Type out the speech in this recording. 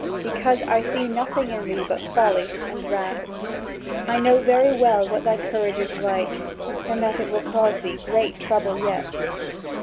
"Because I see nothing in thee but folly and wrath. I know very well what thy courage is like, and that it will cause thee great trouble yet.